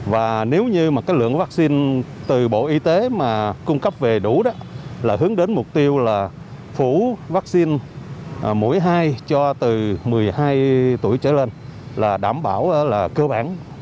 và nếu như lượng vaccine từ bộ y tế mà cung cấp về đủ là hướng đến mục tiêu là phủ vaccine mũi hai cho từ một mươi hai tuổi trở lên là đảm bảo là cơ bản